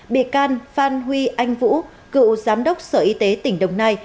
bị can phan huy anh vũ cựu giám đốc sở y tế tỉnh đồng nai